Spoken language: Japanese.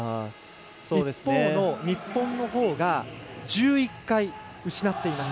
一方の日本のほうが１１回失っています。